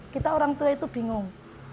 kita orang tua itu bingung